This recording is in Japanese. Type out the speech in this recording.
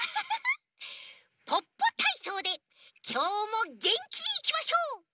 「ポッポたいそう」できょうもげんきにいきましょう！